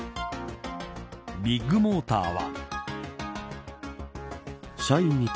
ビッグモーターは。